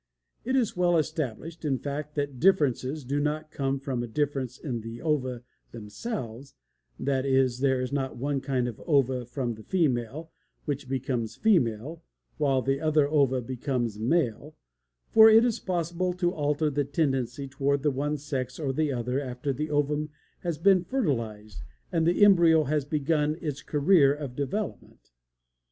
It is well established, in fact, that differences do not come from a difference in the ova themselves; that is, there is not one kind of ova from the female which becomes female, while other ova become male, for it is possible to alter the tendency toward the one sex or the other after the ovum has been fertilized and the embryo has begun its career of development.